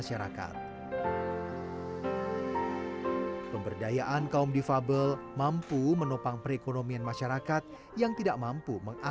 saya agak tertarik gitu